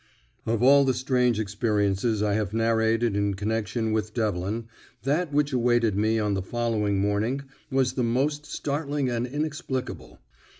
Of all the strange experiences I have narrated in connection with Devlin, that which awaited me on the following morning was the most startling and inexplicable.